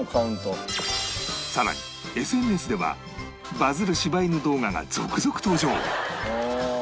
さらに ＳＮＳ ではバズる柴犬動画が続々登場